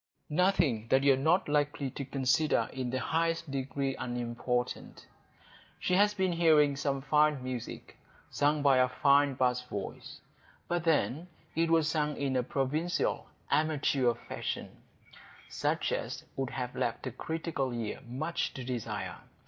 Nothing that you are not likely to consider in the highest degree unimportant. She had been hearing some fine music sung by a fine bass voice,—but then it was sung in a provincial, amateur fashion, such as would have left a critical ear much to desire.